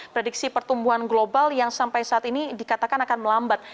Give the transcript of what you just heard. prediksi pertumbuhan global yang sampai saat ini dikatakan akan melambat